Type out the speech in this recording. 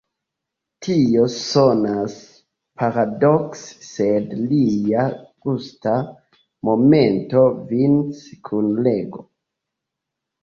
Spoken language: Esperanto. Tio sonas paradokse, sed lia ĝusta momento venis kun leĝo.